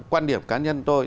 quan điểm cá nhân tôi